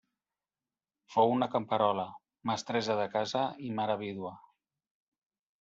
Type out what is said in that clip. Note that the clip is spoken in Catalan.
Fou una camperola, mestressa de casa i mare vídua.